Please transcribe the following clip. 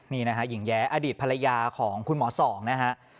นี่นะฮะหญิงแย้อดีตภรรยาของคุณหมอสองนะฮะ